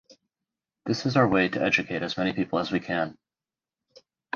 This is our way to educate as many people as we can.